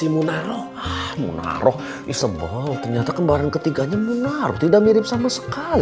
munaro munaro isobol ternyata kembaran ketiganya munaro tidak mirip sama sekali